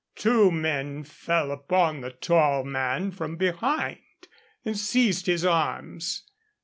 Two men fell upon the tall man from behind and seized his arms.